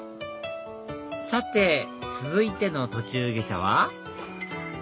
さて続いての途中下車は？